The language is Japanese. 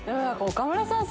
岡村さん